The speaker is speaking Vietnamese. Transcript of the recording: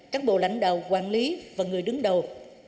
các bộ lãnh đạo quản lý và người đứng đầu